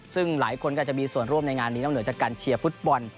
ซึ่งหลายคนก็จะมีส่วนร่วมในงานนี้นอกเหนือจากการเชียร์ฟุตบอล